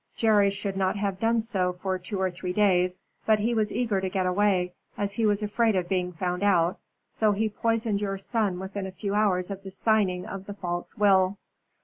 Jerry should not have done so for two or three days, but he was eager to get away, as he was afraid of being found out, so he poisoned your son within a few hours of the signing of the false will."